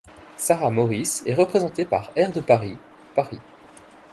Sarah Morris est représentée par Air de Paris, Paris.